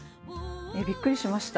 びっくりしました。